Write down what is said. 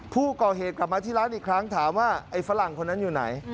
ผู้ก่อเหตุกลับมาที่ร้านอีกครั้งถามว่าไอ้ฝรั่งคนนั้นอยู่ไหน